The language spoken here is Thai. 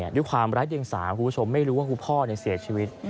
ด้วยความไร้เดียงสาคุณผู้ชมไม่รู้ว่าคุณพ่อเสียชีวิต